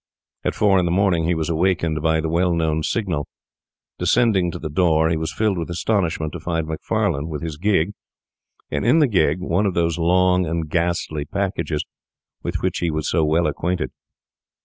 At four in the morning he was awakened by the well known signal. Descending to the door, he was filled with astonishment to find Macfarlane with his gig, and in the gig one of those long and ghastly packages with which he was so well acquainted.